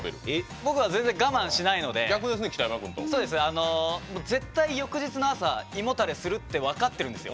僕は我慢しないので絶対翌日の朝胃もたれするって分かってるんですよ。